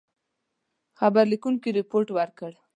خبر لیکونکي رپوټ ورکړ.